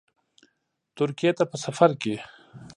ترکیې ته په سفرکې